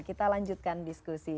kita lanjutkan diskusi